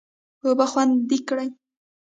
اوبه خوندي کړه.